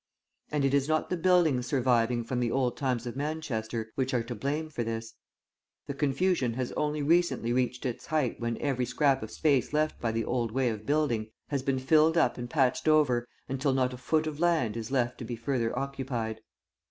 And it is not the buildings surviving from the old times of Manchester which are to blame for this; the confusion has only recently reached its height when every scrap of space left by the old way of building has been filled up and patched over until not a foot of land is left to be further occupied.